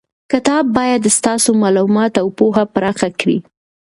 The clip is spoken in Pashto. کتاب باید ستاسو معلومات او پوهه پراخه کړي.